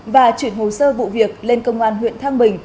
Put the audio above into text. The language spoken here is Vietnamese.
và chuyển hồ sơ vụ việc lên công an huyện thăng bình